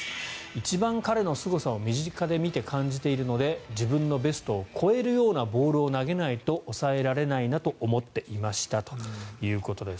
一番彼のすごさを身近で見て感じているので自分のベストを超えるようなボールを投げないと抑えられないなと思っていましたということです。